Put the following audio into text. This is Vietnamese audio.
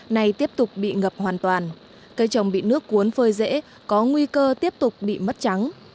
này tiếp tục bị ngập hoàn toàn cây trồng bị nước cuốn phơi rễ có nguy cơ tiếp tục bị mất trắng